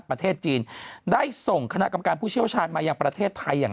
ประเทศจีนได้ส่งคณะกรรมการผู้เชี่ยวชาญมายังประเทศไทยอย่าง